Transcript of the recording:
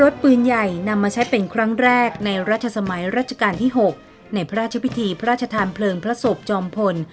ปืนใหญ่นำมาใช้เป็นครั้งแรกในรัชสมัยราชการที่๖ในพระราชพิธีพระราชทานเพลิงพระศพจอมพล